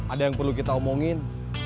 ada yang perlu kita omongin